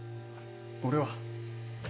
俺は。